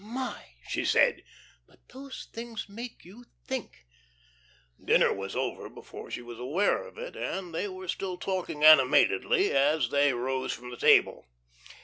"My," she said, "but those things make you think." Dinner was over before she was aware of it, and they were still talking animatedly as they rose from the table.